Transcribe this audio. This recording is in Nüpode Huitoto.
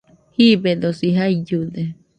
Jiibedosi jaillude